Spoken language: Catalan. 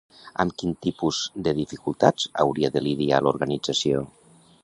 Amb quin tipus de dificultats hauria de lidiar l'organització?